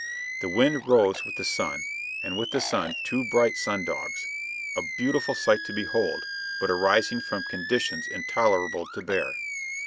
The wind rose with the sun, and with the sun two bright sun dogs a beautiful sight to behold, but arising from conditions intolerable to bear.